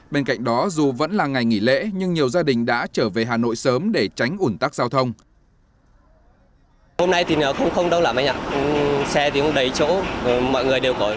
bên cạnh đó dù vẫn là ngày nghỉ lễ nhưng nhiều gia đình đã trở về hà nội sớm để tránh ủn tắc giao thông